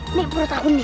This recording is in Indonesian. ini perut aku nih